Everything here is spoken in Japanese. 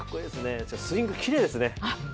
スイング、きれいですね。